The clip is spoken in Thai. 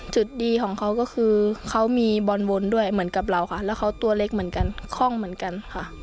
จุดดีของเขาก็คือเขามีบอลวนด้วยเหมือนกับเราค่ะแล้วเขาตัวเล็กเหมือนกันคล่องเหมือนกันค่ะ